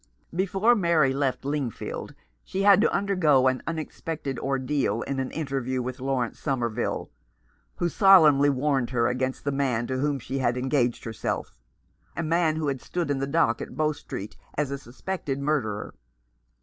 Before Mary left Lingfield she had to undergo an unexpected ordeal in an interview with Laurence Somerville, who solemnly warned her against the man to whom she had engaged herself — a man who had stood in the dock at Bow Street as a suspected murderer.